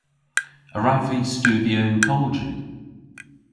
A wrav vy studhya y'n kolji?